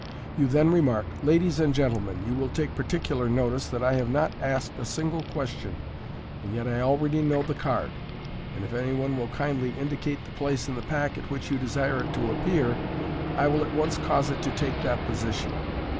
You then remark, " Lad es and gentle men, you will take particular notice that I have not asked a single question, and yet I already know the card j and if anyone will kindly indicate the place in the pack at which you desire it to appear, I will at once cause it to take that position.